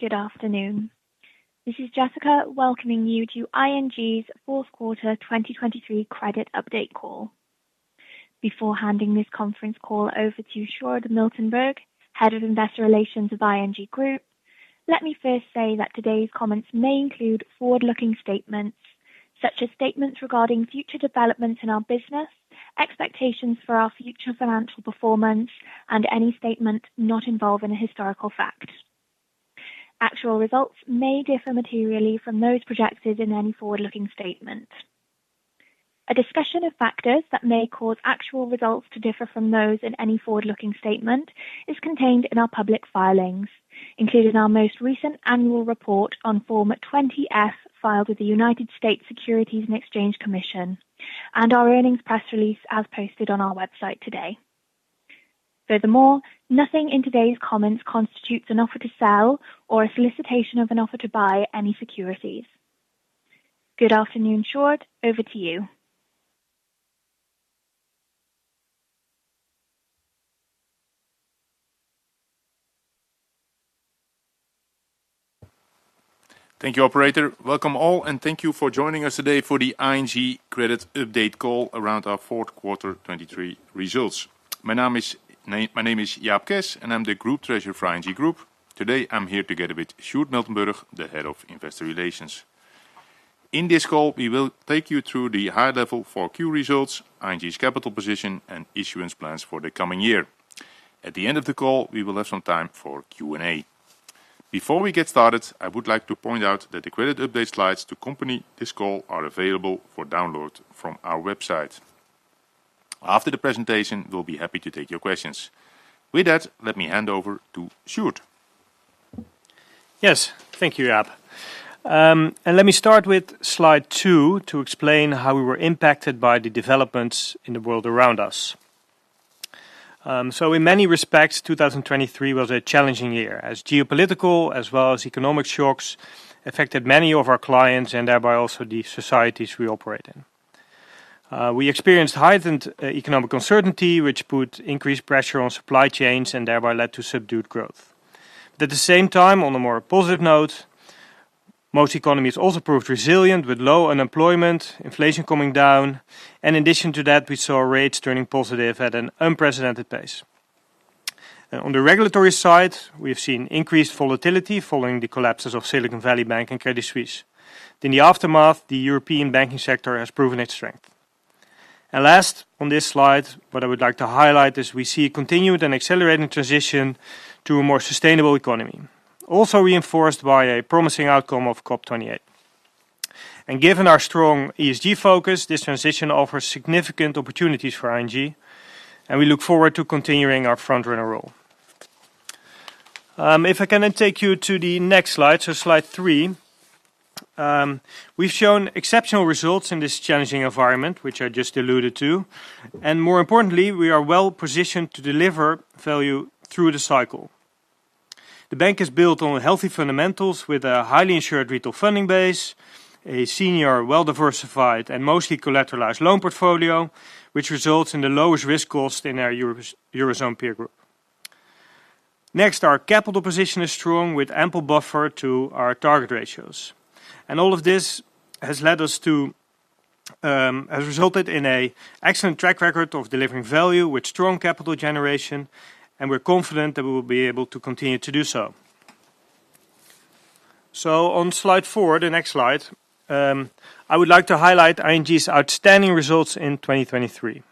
Good afternoon. This is Jessica, welcoming you to ING's Fourth Quarter 2023 Credit Update Call. Before handing this conference call over to Sjoerd Miltenburg, Head of Investor Relations of ING Group, let me first say that today's comments may include forward-looking statements, such as statements regarding future developments in our business, expectations for our future financial performance, and any statement not involved in a historical fact. Actual results may differ materially from those projected in any forward-looking statement. A discussion of factors that may cause actual results to differ from those in any forward-looking statement is contained in our public filings, including our most recent annual report on Form 20-F, filed with the United States Securities and Exchange Commission, and our earnings press release as posted on our website today. Furthermore, nothing in today's comments constitutes an offer to sell or a solicitation of an offer to buy any securities. Good afternoon, Sjoerd, over to you. Thank you, operator. Welcome all, and thank you for joining us today for the ING Credit Update call around our fourth quarter 2023 results. My name is Jaap Kes, and I'm the Group Treasurer for ING Group. Today, I'm here together with Sjoerd Miltenburg, the Head of Investor Relations. In this call, we will take you through the high-level Q4 results, ING's capital position, and issuance plans for the coming year. At the end of the call, we will have some time for Q&A. Before we get started, I would like to point out that the credit update slides to accompany this call are available for download from our website. After the presentation, we'll be happy to take your questions. With that, let me hand over to Sjoerd. Yes. Thank you, Jaap. And let me start with slide two to explain how we were impacted by the developments in the world around us. So in many respects, 2023 was a challenging year, as geopolitical as well as economic shocks affected many of our clients and thereby also the societies we operate in. We experienced heightened economic uncertainty, which put increased pressure on supply chains and thereby led to subdued growth. At the same time, on a more positive note, most economies also proved resilient, with low unemployment, inflation coming down, and in addition to that, we saw rates turning positive at an unprecedented pace. On the regulatory side, we've seen increased volatility following the collapses of Silicon Valley Bank and Credit Suisse. In the aftermath, the European banking sector has proven its strength. Last, on this slide, what I would like to highlight is we see a continued and accelerating transition to a more sustainable economy, also reinforced by a promising outcome of COP 28. Given our strong ESG focus, this transition offers significant opportunities for ING, and we look forward to continuing our frontrunner role. If I can then take you to the next slide, so slide three. We've shown exceptional results in this challenging environment, which I just alluded to, and more importantly, we are well-positioned to deliver value through the cycle. The bank is built on healthy fundamentals with a highly insured retail funding base, a senior, well-diversified, and mostly collateralized loan portfolio, which results in the lowest risk cost in our Eurozone peer group. Next, our capital position is strong, with ample buffer to our target ratios. And all of this has resulted in an excellent track record of delivering value with strong capital generation, and we're confident that we will be able to continue to do so. So on slide four, the next slide, I would like to highlight ING's outstanding results in 2023.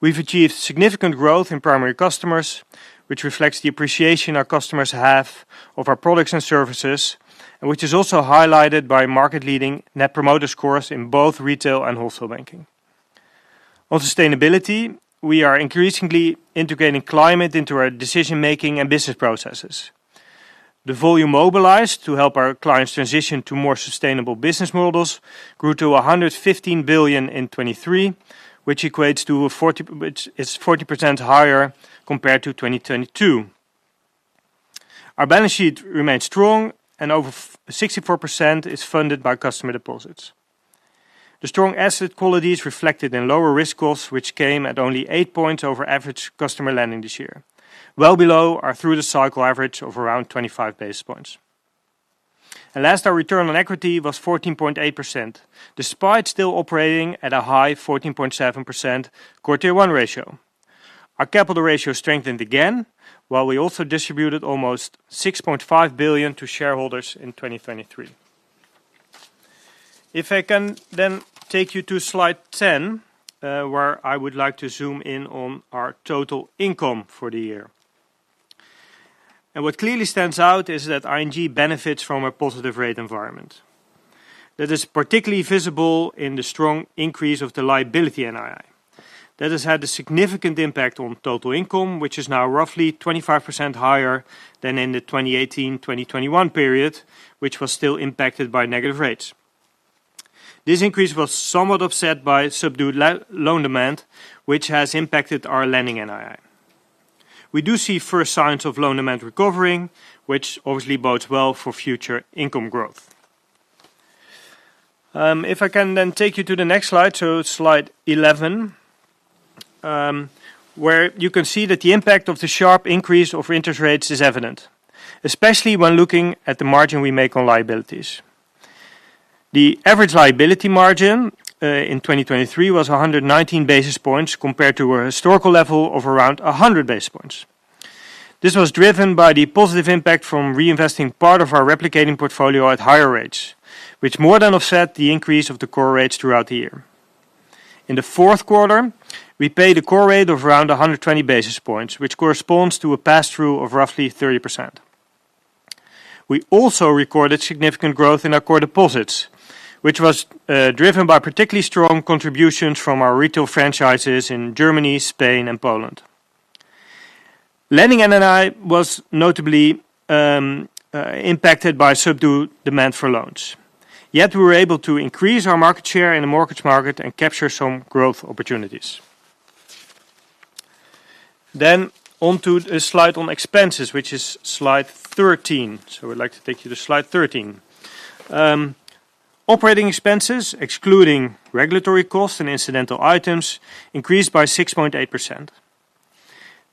We've achieved significant growth in primary customers, which reflects the appreciation our customers have of our products and services, and which is also highlighted by market-leading Net Promoter scores in both Retail and Wholesale Banking. On sustainability, we are increasingly integrating climate into our decision-making and business processes. The volume mobilized to help our clients transition to more sustainable business models grew to 115 billion in 2023, which is 40% higher compared to 2022. Our balance sheet remains strong and over 64% is funded by customer deposits. The strong asset quality is reflected in lower risk costs, which came at only 8 points over average customer lending this year, well below our through-the-cycle average of around 25 basis points. Last, our return on equity was 14.8%, despite still operating at a high 14.7% Core Tier 1 ratio. Our capital ratio strengthened again, while we also distributed almost 6.5 billion to shareholders in 2023. If I can take you to slide 10, where I would like to zoom in on our total income for the year. What clearly stands out is that ING benefits from a positive rate environment. That is particularly visible in the strong increase of the liability NII. That has had a significant impact on total income, which is now roughly 25% higher than in the 2018-2021 period, which was still impacted by negative rates. This increase was somewhat offset by subdued loan demand, which has impacted our lending NII. We do see first signs of loan demand recovering, which obviously bodes well for future income growth. If I can then take you to the next slide, so slide 11, where you can see that the impact of the sharp increase of interest rates is evident, especially when looking at the margin we make on liabilities. The average liability margin in 2023 was 119 basis points, compared to a historical level of around 100 basis points. This was driven by the positive impact from reinvesting part of our replicating portfolio at higher rates, which more than offset the increase of the core rates throughout the year. In the fourth quarter, we paid a core rate of around 100 basis points, which corresponds to a pass-through of roughly 30%. We also recorded significant growth in our core deposits, which was driven by particularly strong contributions from our retail franchises in Germany, Spain and Poland. Lending and NII was notably impacted by subdued demand for loans. Yet we were able to increase our market share in the mortgage market and capture some growth opportunities. Then on to a slide on expenses, which is slide 13. So I would like to take you to slide 13. Operating expenses, excluding regulatory costs and incidental items, increased by 6.8%.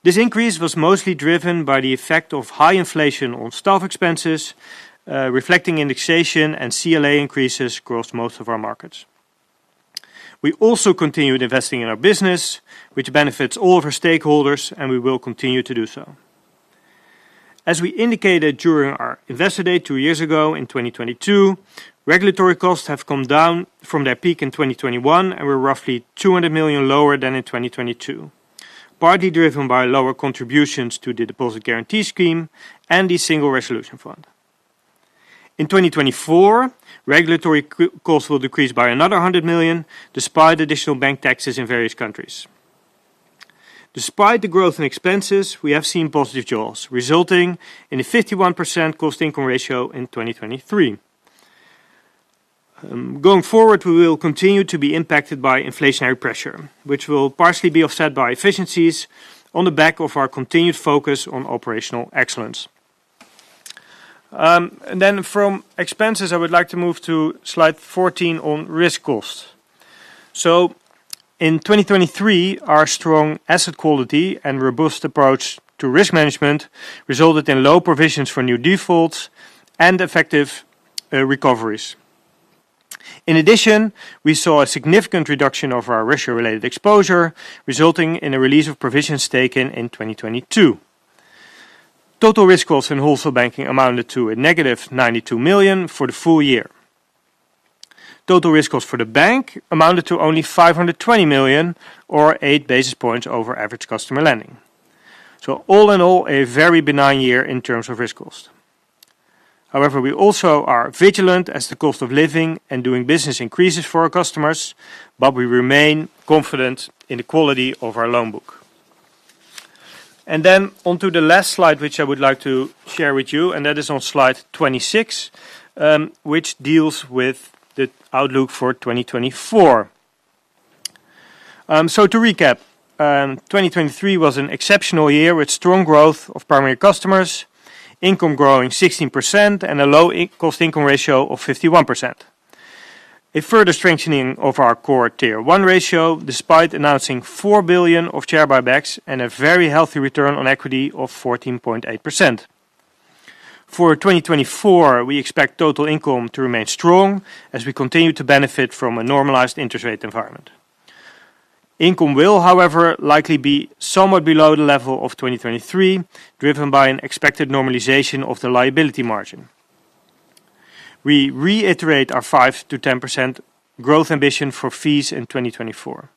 This increase was mostly driven by the effect of high inflation on staff expenses, reflecting indexation and CLA increases across most of our markets. We also continued investing in our business, which benefits all of our stakeholders, and we will continue to do so. As we indicated during our Investor Day two years ago in 2022, regulatory costs have come down from their peak in 2021 and were roughly 200 million lower than in 2022, partly driven by lower contributions to the Deposit Guarantee Scheme and the Single Resolution Fund. In 2024, regulatory costs will decrease by another 100 million, despite additional bank taxes in various countries. Despite the growth in expenses, we have seen positive jaws, resulting in a 51% cost-income ratio in 2023. Going forward, we will continue to be impacted by inflationary pressure, which will partially be offset by efficiencies on the back of our continued focus on operational excellence. And then from expenses, I would like to move to slide 14 on risk costs. So in 2023, our strong asset quality and robust approach to risk management resulted in low provisions for new defaults and effective recoveries. In addition, we saw a significant reduction of our Russia-related exposure, resulting in a release of provisions taken in 2022. Total risk costs in Wholesale Banking amounted to a negative 92 million for the full year. Total risk costs for the bank amounted to only 520 million or 8 basis points over average customer lending. So all in all, a very benign year in terms of risk cost. However, we also are vigilant as the cost of living and doing business increases for our customers, but we remain confident in the quality of our loan book. Then on to the last slide, which I would like to share with you, and that is on slide 26, which deals with the outlook for 2024. So to recap, 2023 was an exceptional year, with strong growth of primary customers, income growing 16% and a low cost-income ratio of 51%. A further strengthening of our core Tier 1 ratio, despite announcing 4 billion of share buybacks and a very healthy return on equity of 14.8%. For 2024, we expect total income to remain strong as we continue to benefit from a normalized interest rate environment. Income will, however, likely be somewhat below the level of 2023, driven by an expected normalization of the liability margin. We reiterate our 5%-10% growth ambition for fees in 2024.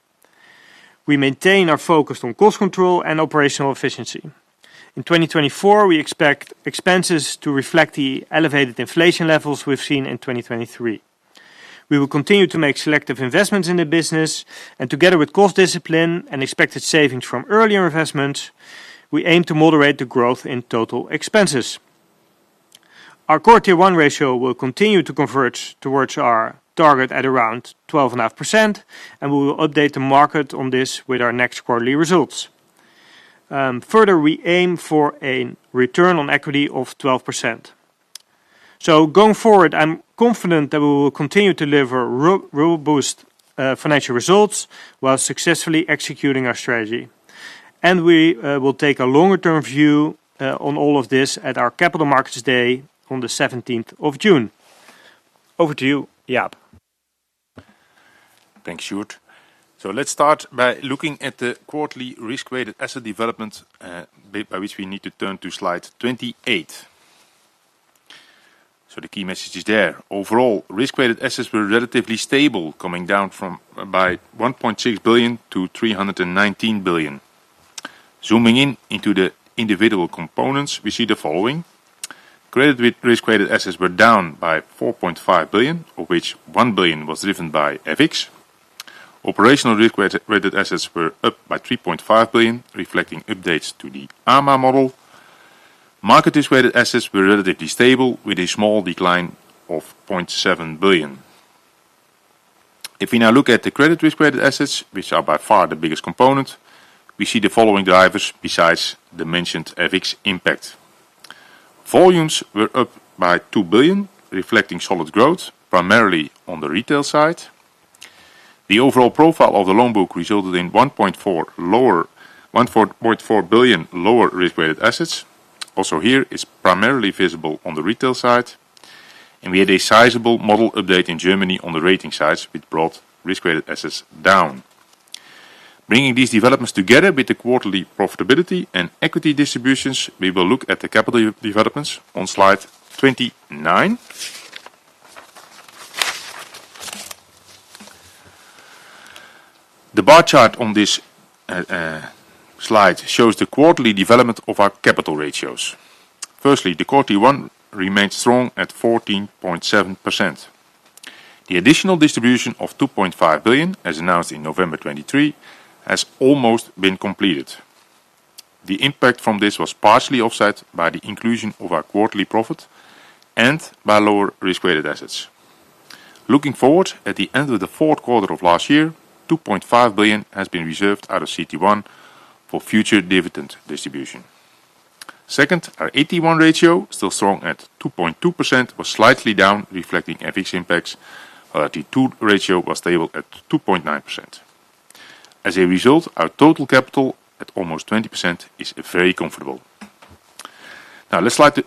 We maintain our focus on cost control and operational efficiency. In 2024, we expect expenses to reflect the elevated inflation levels we've seen in 2023. We will continue to make selective investments in the business, and together with cost discipline and expected savings from earlier investments, we aim to moderate the growth in total expenses. Our core Tier 1 ratio will continue to converge towards our target at around 12.5%, and we will update the market on this with our next quarterly results. Further, we aim for a return on equity of 12%. So going forward, I'm confident that we will continue to deliver robust financial results while successfully executing our strategy. We will take a longer-term view on all of this at our Capital Markets Day on the seventeenth of June. Over to you, Jaap. Thanks, Sjoerd. So let's start by looking at the quarterly risk-weighted asset development, by which we need to turn to slide 28. So the key message is there. Overall, risk-weighted assets were relatively stable, coming down by 1.6 billion to 319 billion. Zooming in into the individual components, we see the following: credit risk-weighted assets were down by 4.5 billion, of which 1 billion was driven by FX. Operational risk-weighted assets were up by 3.5 billion, reflecting updates to the AMA model. Market risk-weighted assets were relatively stable, with a small decline of 0.7 billion. If we now look at the credit risk-weighted assets, which are by far the biggest component, we see the following drivers besides the mentioned FX impact. Volumes were up by 2 billion, reflecting solid growth, primarily on the retail side. The overall profile of the loan book resulted in one point four lower, 1.4 billion lower risk-weighted assets. Also here, is primarily visible on the retail side, and we had a sizable model update in Germany on the rating sides, which brought risk-weighted assets down. Bringing these developments together with the quarterly profitability and equity distributions, we will look at the capital developments on slide 29. The bar chart on this slide shows the quarterly development of our capital ratios. Firstly, the Core Tier 1 remains strong at 14.7%. The additional distribution of 2.5 billion, as announced in November 2023, has almost been completed. The impact from this was partially offset by the inclusion of our quarterly profit and by lower risk-weighted assets. Looking forward, at the end of the fourth quarter of last year, 2.5 billion has been reserved out of CT1 for future dividend distribution. Second, our AT1 ratio, still strong at 2.2%, was slightly down, reflecting FX impacts. Our AT2 ratio was stable at 2.9%. As a result, our total capital, at almost 20%, is very comfortable. Now, let's slide to,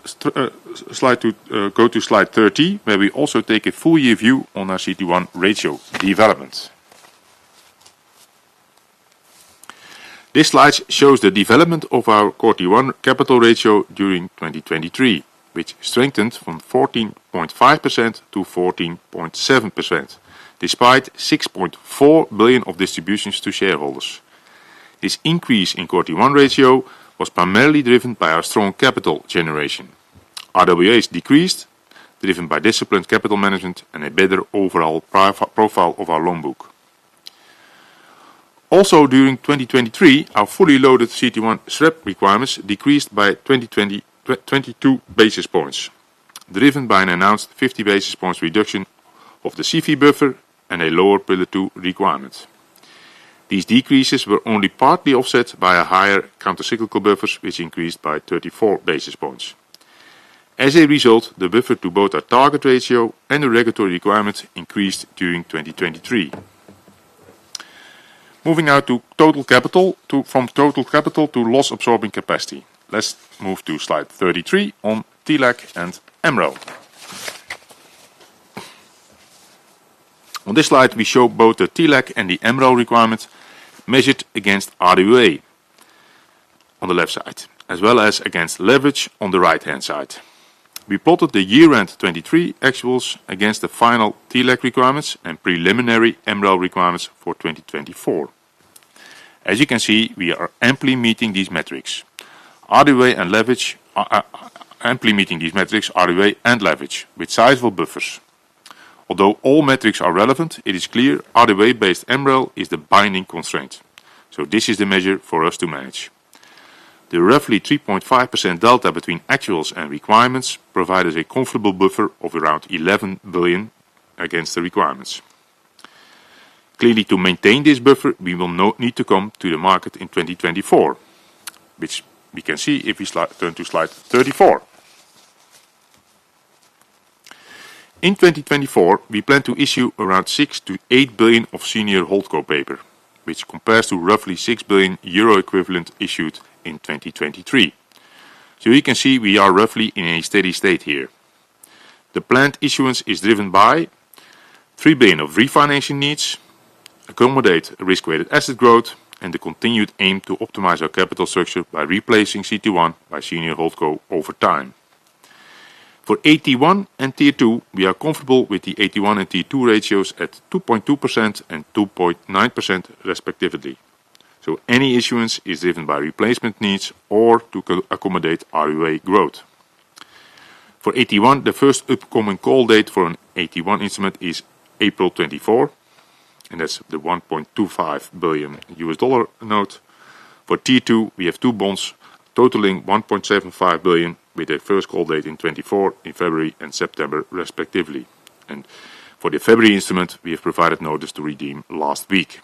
slide to, go to slide 30, where we also take a full-year view on our CT1 ratio developments. This slide shows the development of our Core Tier one capital ratio during 2023, which strengthened from 14.5%-14.7%, despite 6.4 billion of distributions to shareholders. This increase in Core Tier one ratio was primarily driven by our strong capital generation. RWA has decreased, driven by disciplined capital management and a better overall risk profile of our loan book. Also, during 2023, our fully loaded CT1 SREP requirements decreased by 22 basis points, driven by an announced 50 basis points reduction of the CEV buffer and a lower Pillar Two requirement. These decreases were only partly offset by a higher countercyclical buffer, which increased by 34 basis points. As a result, the buffer to both our target ratio and the regulatory requirements increased during 2023. Moving now to total capital, from Total Capital to Loss-Absorbing Capacity. Let's move to slide 33 on TLAC and MREL. On this slide, we show both the TLAC and the MREL requirements measured against RWA on the left side, as well as against leverage on the right-hand side. We plotted the year-end 2023 actuals against the final TLAC requirements and preliminary MREL requirements for 2024. As you can see, we are amply meeting these metrics. RWA and leverage are amply meeting these metrics, RWA and leverage, with sizable buffers. Although all metrics are relevant, it is clear RWA-based MREL is the binding constraint, so this is the measure for us to manage. The roughly 3.5% delta between actuals and requirements provides a comfortable buffer of around 11 billion against the requirements. Clearly, to maintain this buffer, we will not need to come to the market in 2024, which we can see if we turn to slide 34. In 2024, we plan to issue around 6 billion-8 billion of senior Holdco paper, which compares to roughly 6 billion euro equivalent issued in 2023. So you can see we are roughly in a steady state here. The planned issuance is driven by 3 billion of refinancing needs, accommodate risk-weighted asset growth, and the continued aim to optimize our capital structure by replacing CT1 by senior Holdco over time. For AT1 and Tier 2, we are comfortable with the AT1 and Tier 2 ratios at 2.2% and 2.9%, respectively. So any issuance is driven by replacement needs or to co-accommodate RWA growth. For AT1, the first upcoming call date for an AT1 instrument is April 2024, and that's the $1.25 billion U.S. dollar note. For Tier 2, we have two bonds totaling 1.75 billion, with a first call date in 2024 in February and September, respectively. And for the February instrument, we have provided notice to redeem last week.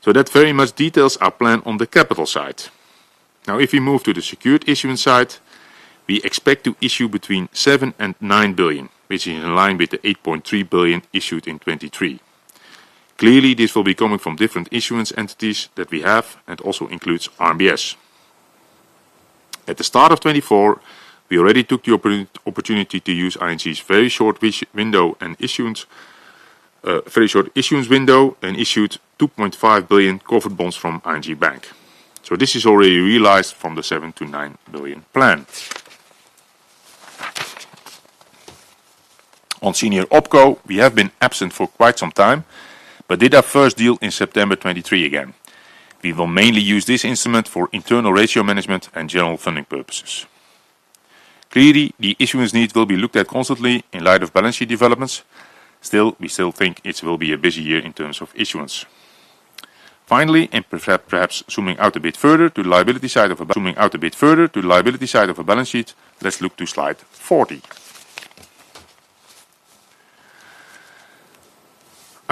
So that very much details our plan on the capital side. Now, if we move to the secured issuance side, we expect to issue between 7 billion and 9 billion, which is in line with the 8.3 billion issued in 2023. Clearly, this will be coming from different issuance entities that we have and also includes RMBS. At the start of 2024, we already took the opportunity to use ING's very short issuance window and issued 2.5 billion covered bonds from ING Bank. So this is already realized from the 7 billion-9 billion plan. On senior Opco, we have been absent for quite some time, but did our first deal in September 2023 again. We will mainly use this instrument for internal ratio management and general funding purposes. Clearly, the issuance needs will be looked at constantly in light of balance sheet developments. Still, we still think it will be a busy year in terms of issuance. Finally, perhaps zooming out a bit further to the liability side of a balance sheet, let's look to slide 40.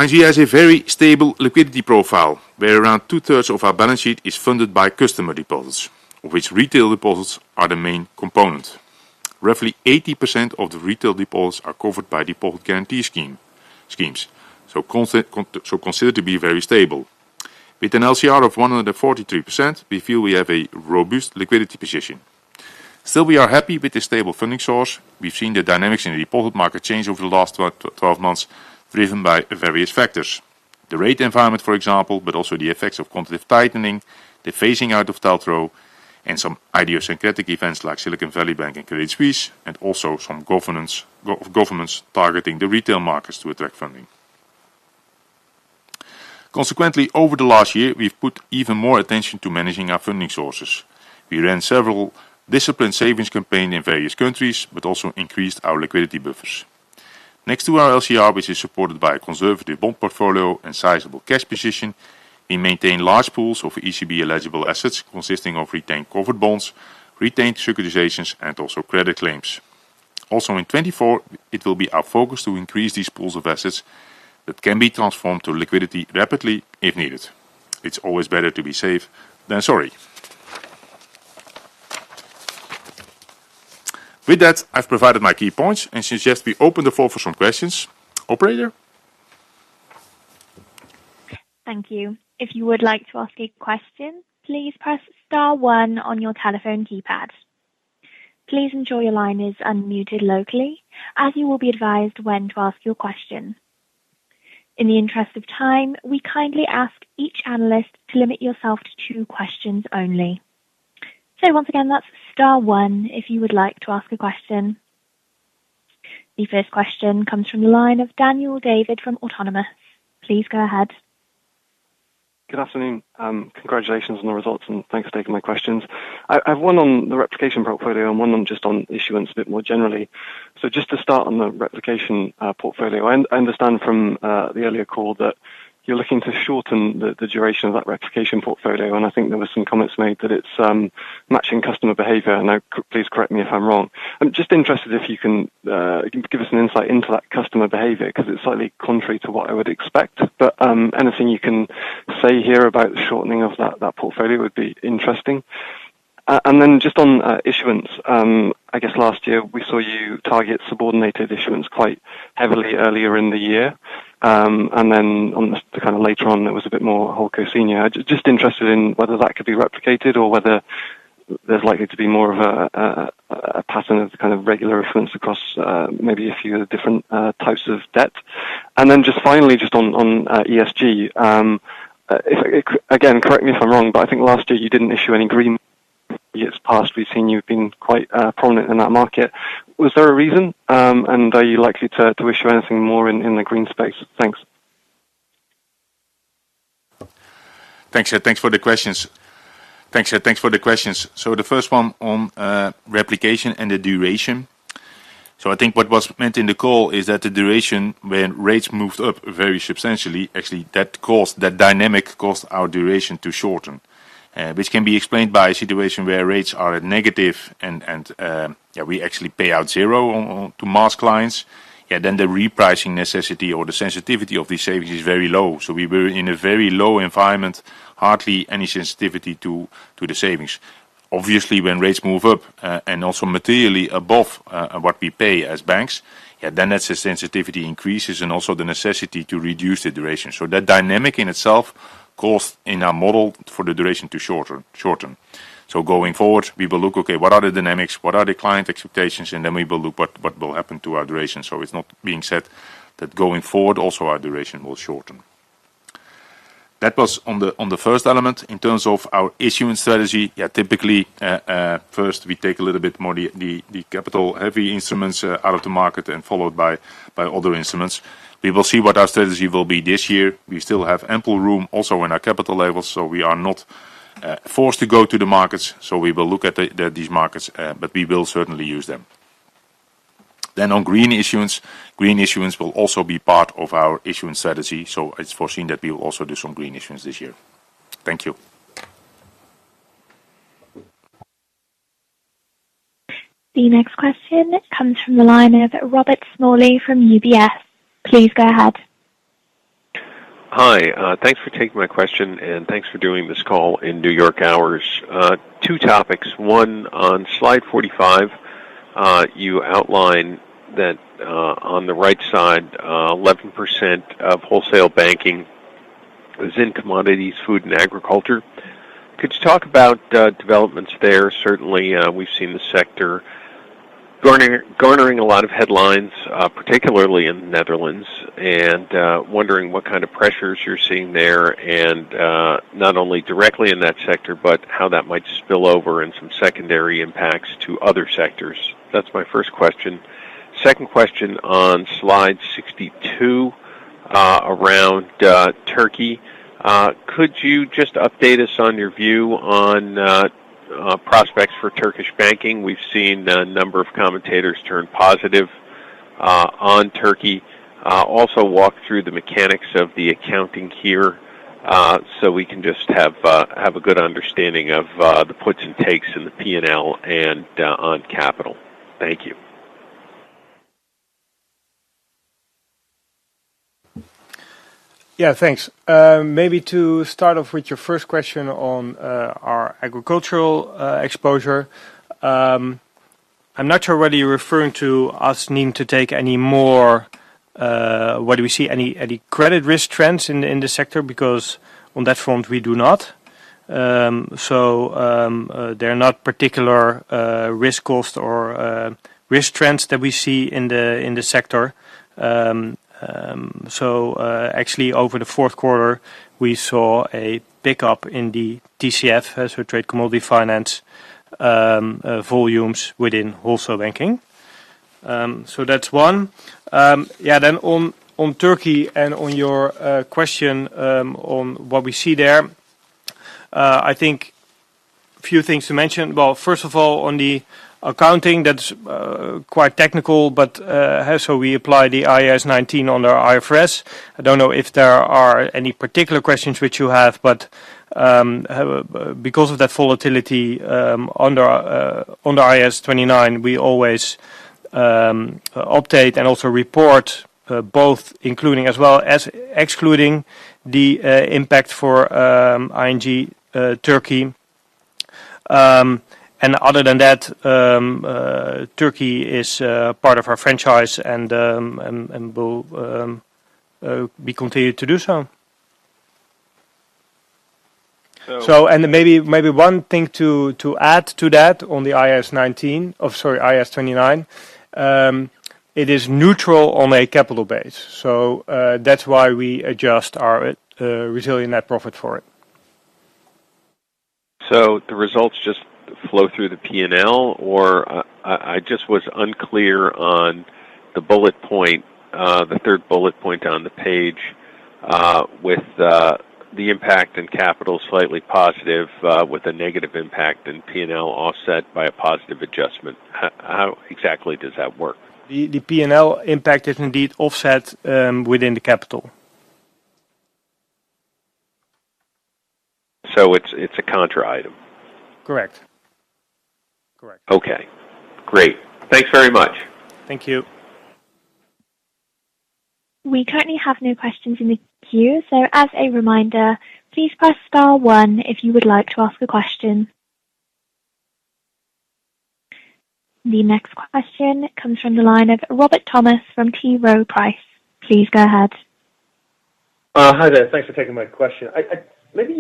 ING has a very stable liquidity profile, where around two-thirds of our balance sheet is funded by customer deposits, of which retail deposits are the main component. Roughly 80% of the retail deposits are covered by deposit guarantee schemes, so considered to be very stable. With an LCR of 143%, we feel we have a robust liquidity position. Still, we are happy with the stable funding source. We've seen the dynamics in the deposit market change over the last twelve months, driven by various factors. The rate environment, for example, but also the effects of quantitative tightening, the phasing out of TLTRO, and some idiosyncratic events like Silicon Valley Bank and Credit Suisse, and also some governments targeting the retail markets to attract funding. Consequently, over the last year, we've put even more attention to managing our funding sources. We ran several disciplined savings campaigns in various countries, but also increased our liquidity buffers. Next to our LCR, which is supported by a conservative bond portfolio and sizable cash position, we maintain large pools of ECB-eligible assets, consisting of retained covered bonds, retained securitizations, and also credit claims. Also, in 2024, it will be our focus to increase these pools of assets that can be transformed to liquidity rapidly, if needed. It's always better to be safe than sorry. With that, I've provided my key points, and suggest we open the floor for some questions. Operator? Thank you. If you would like to ask a question, please press star one on your telephone keypad. Please ensure your line is unmuted locally, as you will be advised when to ask your question. In the interest of time, we kindly ask each analyst to limit yourself to two questions only. So once again, that's star one, if you would like to ask a question. The first question comes from the line of Daniel David from Autonomous Research. Please go ahead. Good afternoon. Congratulations on the results, and thanks for taking my questions. I have one on the replication portfolio and one on just on issuance a bit more generally. So just to start on the replication portfolio, I understand from the earlier call that you're looking to shorten the duration of that replication portfolio, and I think there were some comments made that it's matching customer behavior, and now, please correct me if I'm wrong. I'm just interested if you can give us an insight into that customer behavior, 'cause it's slightly contrary to what I would expect. But anything you can say here about the shortening of that portfolio would be interesting. And then just on issuance, I guess last year, we saw you target subordinated issuance quite heavily earlier in the year. And then on the, kind of, later on, it was a bit more Holdco senior. I'm just interested in whether that could be replicated or whether there's likely to be more of a pattern of kind of regular issuance across maybe a few different types of debt. And then just finally, just on ESG, if again, correct me if I'm wrong, but I think last year you didn't issue any green. Years past, we've seen you've been quite prominent in that market. Was there a reason? And are you likely to issue anything more in the green space? Thanks. Thanks, yeah, thanks for the questions. Thanks, yeah, thanks for the questions. So the first one on replication and the duration. So I think what was meant in the call is that the duration, when rates moved up very substantially, actually, that caused, that dynamic caused our duration to shorten. Which can be explained by a situation where rates are at negative and yeah, we actually pay out zero on to mass clients, yeah, then the repricing necessity or the sensitivity of these savings is very low. So we were in a very low environment, hardly any sensitivity to the savings. Obviously, when rates move up and also materially above what we pay as banks, yeah, then that sensitivity increases and also the necessity to reduce the duration. So that dynamic in itself caused in our model for the duration to shorten. So going forward, we will look, okay, what are the dynamics? What are the client expectations? And then we will look what will happen to our duration. So it's not being said that going forward, also, our duration will shorten. That was on the first element. In terms of our issuance strategy, yeah, typically, first, we take a little bit more the capital-heavy instruments out of the market and followed by other instruments. We will see what our strategy will be this year. We still have ample room also in our capital levels, so we are not forced to go to the markets. So we will look at these markets, but we will certainly use them. On green issuance, green issuance will also be part of our issuance strategy, so it's foreseen that we will also do some green issuance this year. Thank you. The next question comes from the line of Robert Smalley from UBS. Please go ahead. Hi, thanks for taking my question, and thanks for doing this call in New York hours. Two topics, one, on slide 45, you outline that, on the right side, 11% of wholesale banking is in commodities, food, and agriculture. Could you talk about developments there? Certainly, we've seen the sector garnering a lot of headlines, particularly in the Netherlands, and wondering what kind of pressures you're seeing there, and not only directly in that sector, but how that might spill over in some secondary impacts to other sectors. That's my first question. Second question on slide 62, around Turkey. Could you just update us on your view on prospects for Turkish banking? We've seen a number of commentators turn positive on Turkey. Also walk through the mechanics of the accounting here, so we can just have a good understanding of the puts and takes in the P&L and on capital. Thank you. Yeah, thanks. Maybe to start off with your first question on our agricultural exposure. I'm not sure whether you're referring to us needing to take any more, whether we see any credit risk trends in the sector, because on that front, we do not. So, there are not particular risk cost or risk trends that we see in the sector. So, actually, over the fourth quarter, we saw a pickup in the TCF as we trade commodity finance volumes within wholesale banking. So that's one. Yeah, then on Turkey and on your question on what we see there, I think a few things to mention. Well, first of all, on the accounting, that's quite technical, but so we apply the IAS 19 under IFRS. I don't know if there are any particular questions which you have, but because of that volatility, under IAS 29, we always update and also report both including as well as excluding the impact for ING Turkey. And other than that, Turkey is part of our franchise and we will continue to do so. So- And maybe one thing to add to that on the IAS 19. Oh, sorry, IAS 29. It is neutral on a capital base, so that's why we adjust our resilient net profit for it. So the results just flow through the P&L, or I just was unclear on the bullet point, the third bullet point on the page, with the impact in capital, slightly positive, with a negative impact in P&L, offset by a positive adjustment. How exactly does that work? The P&L impact is indeed offset within the capital. So it's a contra item? Correct. Correct. Okay, great. Thanks very much. Thank you. We currently have no questions in the queue. As a reminder, please press star one if you would like to ask a question. The next question comes from the line of Robert Thomas, from T. Rowe Price. Please go ahead. Hi there. Thanks for taking my question. Can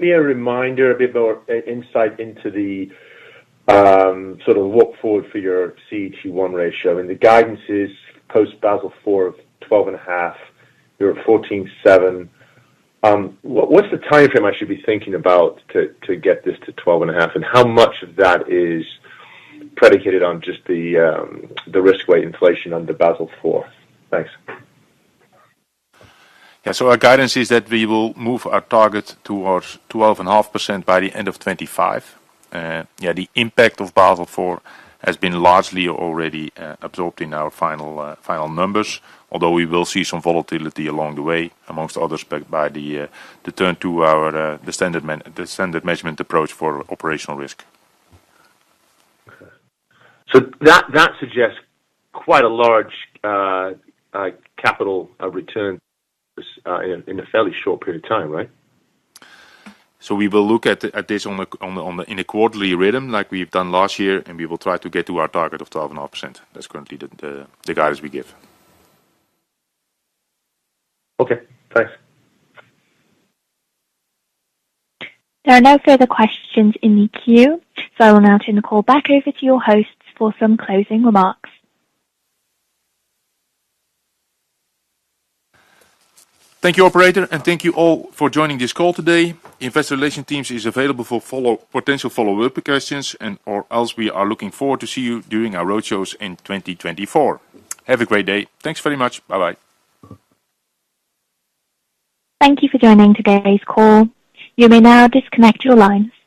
you give me a reminder, a bit more insight into the sort of look forward for your CET1 ratio? I mean, the guidance is post Basel IV, 12.5%, you're at 14.7%. What's the timeframe I should be thinking about to get this to 12.5%, and how much of that is predicated on just the risk weight inflation under Basel IV? Thanks. Yeah. So our guidance is that we will move our target towards 12.5% by the end of 2025. Yeah, the impact of Basel IV has been largely already absorbed in our final numbers, although we will see some volatility along the way, among others, by the turn to the standardized measurement approach for operational risk. So that suggests quite a large capital return in a fairly short period of time, right? So we will look at this on a quarterly rhythm, like we've done last year, and we will try to get to our target of 12.5%. That's currently the guidance we give. Okay, thanks. There are no further questions in the queue, so I will now turn the call back over to your hosts for some closing remarks. Thank you, operator, and thank you all for joining this call today. Investor Relations team is available for follow-up, potential follow-up questions and/or else we are looking forward to see you during our roadshows in 2024. Have a great day. Thanks very much. Bye-bye. Thank you for joining today's call. You may now disconnect your lines.